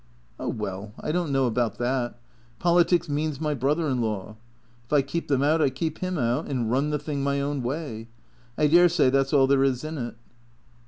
" Oh, well, I don't know about that. Politics means my brother in law. If I keep them out I keep him out, and run the thing my own way. I dare say that 's all there is in it."